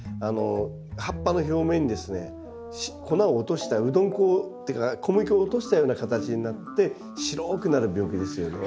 葉っぱの表面にですね粉を落としたうどん粉っていうか小麦粉を落としたような形になって白くなる病気ですよね。